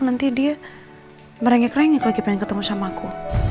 nanti dia merengik rengik lagi pengen ketemu sama aku